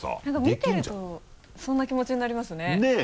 見てるとそんな気持ちになりますね。ねぇ？